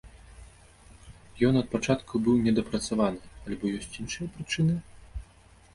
Ён ад пачатку быў недапрацаваны, альбо ёсць іншыя прычыны?